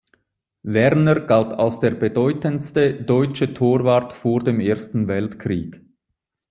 Werner galt als der bedeutendste deutsche Torwart vor dem Ersten Weltkrieg.